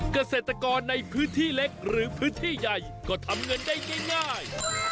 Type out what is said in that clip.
เกษตรกรในพื้นที่เล็กหรือพื้นที่ใหญ่ก็ทำเงินได้ง่าย